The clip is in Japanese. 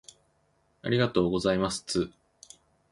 ありがとうございますつ